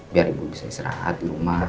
biar ibu bisa istirahat di rumah